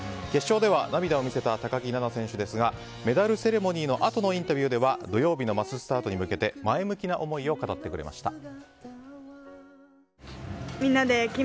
決勝では涙を見せた高木菜那選手ですがメダルセレモニーのあとのインタビューでは、土曜日のマススタートに向けて前向きな思いを語ってくれました。